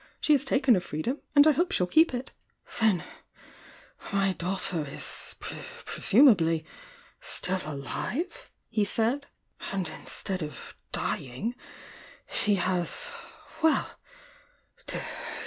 She has taken her freedom, and I hope she 11 keep it! "Then— my daughter is— presumably— still alive?" he said. "And instead of dying, she has — well!